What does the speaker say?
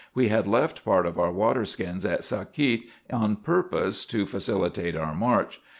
We had left part of our water skins at Sakiet, on purpose to facilitate our march.